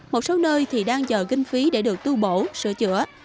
một số nơi thì đang chờ kinh phí để được tu bổ sửa chữa